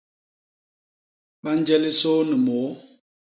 Ba nje lisôô ni môô.